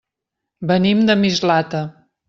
Venim de Mislata.